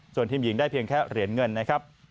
ส่วนทีมหญิงได้เพียงแค่เหรียญเงินนะครับ